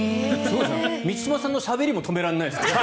満島さんのしゃべりも止められないですからね。